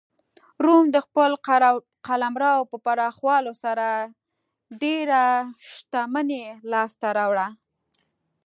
روم د خپل قلمرو په پراخولو سره ډېره شتمنۍ لاسته راوړه.